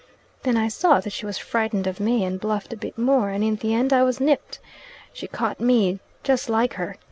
Then I saw that she was frightened of me, and bluffed a bit more, and in the end I was nipped. She caught me just like her!